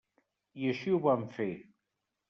I així ho vam fer.